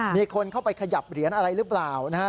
มีคนเข้าไปขยับเหรียญอะไรหรือเปล่านะฮะ